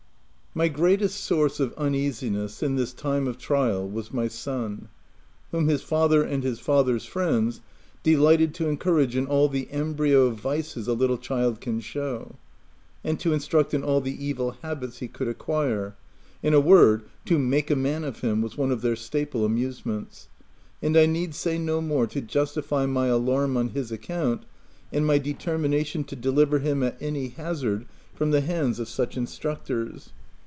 My greatest source of uneasiness, in this time of trial, was my son, whom his father and his father's friends delighted to encourage in all the embryo vices a little child can show, and to instruct in all the evil habits he could acquire — in a word, to " make a man of him " was one of their staple amusements ; and I need say no more to justify my alarm on his account, and my determination to deliver him at any hazard from the hands of such instructors.